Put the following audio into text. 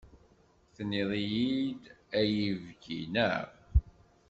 Tenniḍ-iyi-d ay ibki, neɣ?